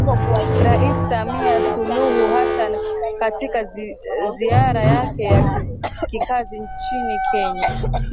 Rais Samia Suluhu Hassan katika ziara yake ya kikazi nchini Kenya